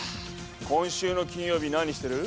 今週の金曜日何してる？